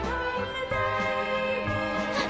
あっ！